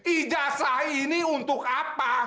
ijazah ini untuk apa